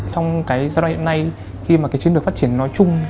trong cái giai đoạn hiện nay khi mà cái chiến lược phát triển nói chung